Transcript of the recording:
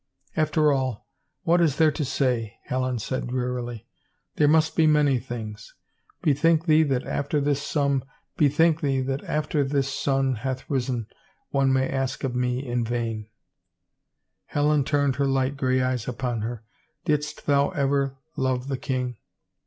After all, what is there to say ?" Helen said drearily. There must be many things. Bethink thee that after this sun hath risen one may ask of me in vain." Helen turned her light gray eyes upon ber. " Didst thou ever love the king?"